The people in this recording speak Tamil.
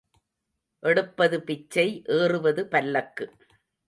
எடுப்பது பிச்சை ஏறுவது பல்லக்கு.